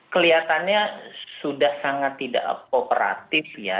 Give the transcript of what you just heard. kelihatannya sudah sangat tidak kooperatif ya